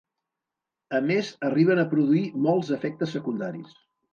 A més arriben a produir molts efectes secundaris.